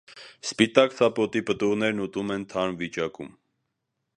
Սպիտակ սապոտի պտուղներն ուտում են թարմ վիճակում։